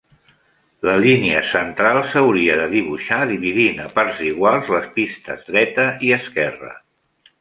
La línia central s'hauria de dibuixar dividint a parts iguals les pistes dreta i esquerra.